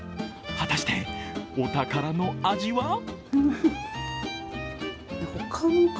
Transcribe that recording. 果たして、お宝の味は？